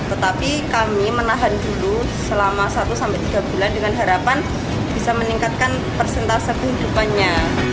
tetapi kami menahan dulu selama satu sampai tiga bulan dengan harapan bisa meningkatkan persentase kehidupannya